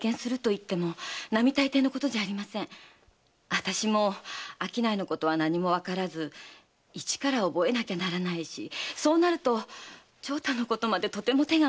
私も商いのことは何もわからず一から覚えなきゃならないしそうなると長太のことまでとても手がまわりません。